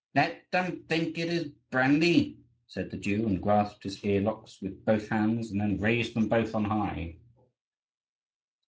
"Let them think it is brandy?" said the Jew, and grasped his ear locks with both hands, and then raised them both on high.